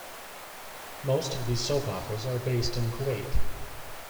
Most of these soap operas are based in Kuwait.